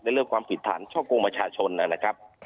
เรื่องความผิดฐานช่อกงประชาชนนะครับ